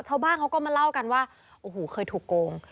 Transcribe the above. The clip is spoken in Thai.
ชาวบ้างมาเล่ากันว่าเขาถูกโกง